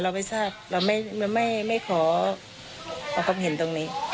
เราไม่ทราบเราไม่ขอมาพบเห็นตรงนี้